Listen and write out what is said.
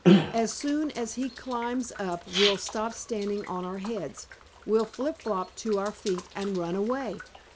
As soon as he climbs up we'll stop standing on our heads. We'll flip flop to our feet and run away."